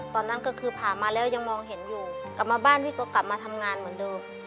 ตอนนั้นก็คือผ่ามาแล้วยังมองเห็นอยู่กลับมาบ้านพี่ก็กลับมาทำงานเหมือนเดิม